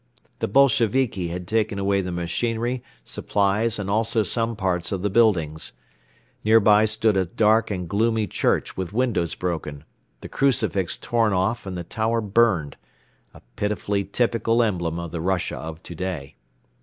The Bolsheviki had taken away the machinery, supplies and also some parts of the buildings. Nearby stood a dark and gloomy church with windows broken, the crucifix torn off and the tower burned, a pitifully typical emblem of the Russia of today.